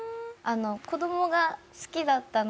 子供が好きだったので。